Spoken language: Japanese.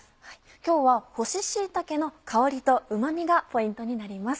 今日は干し椎茸の香りとうま味がポイントになります。